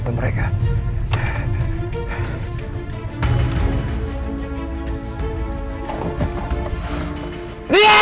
kalau mereka mau dia sumpah